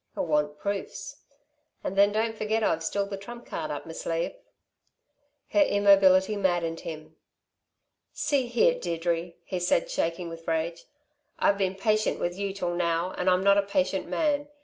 He'll want proofs. And then don't forget I've still the trump card up me sleeve." Her immobility maddened him. "See here, Deirdre," he said, shaking with rage, "I've been patient with you till now, and I'm not a patient man.